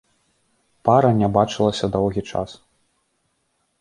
Пара не бачылася доўгі час.